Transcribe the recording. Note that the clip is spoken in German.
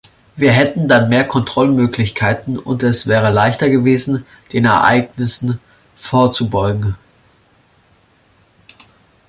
Wir hätten dann mehr Kontrollmöglichkeiten und es wäre leichter gewesen, den Ereignissen vorzubeugen.